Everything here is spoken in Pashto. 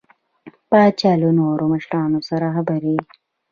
پاچا له نورو مشرانو سره خبرې